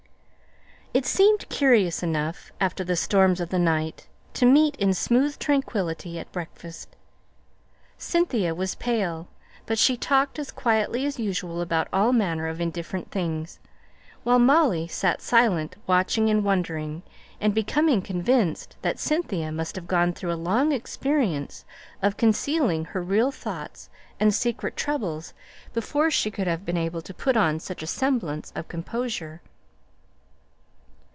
It seemed curious enough, after the storms of the night, to meet in smooth tranquillity at breakfast. Cynthia was pale; but she talked as quietly as usual about all manner of indifferent things, while Molly sate silent, watching and wondering, and becoming convinced that Cynthia must have gone through a long experience of concealing her real thoughts and secret troubles before she could have been able to put on such a semblance of composure.